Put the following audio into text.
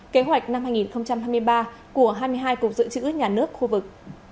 kế hoạch năm hai nghìn hai mươi ba của hai mươi hai cục dự trữ nhà nước khu vực